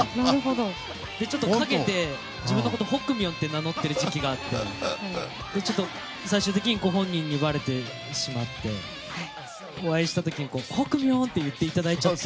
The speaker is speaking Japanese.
ちょっと陰で自分のことをほくみょんと名乗ってる時期があって最終的にご本人にばれてしまってお会いした時に、ほくみょんと言っていただいちゃって。